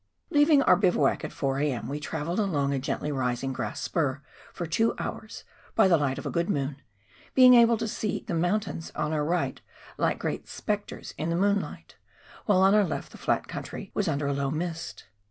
Leaving our bivouac at 4 a.m., we travelled along a gently rising grass spur for two hours by the light of a good moon, being able to see the mountains on our right like great spectres in the moonlight, while on our left the flat country was under a low mist.